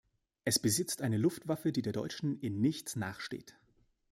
Es besitzt eine Luftwaffe, die der deutschen in nichts nachsteht.